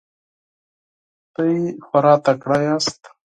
تاسو خورا تکړه یاست.